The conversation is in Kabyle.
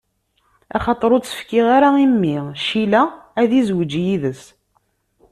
Axaṭer ur tt-fkiɣ ara i mmi Cila, ad izweǧ yid-s.